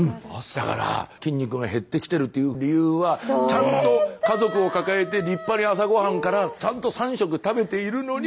だから筋肉が減ってきてるという理由はちゃんと家族を抱えて立派に朝ごはんからちゃんと３食食べているのに。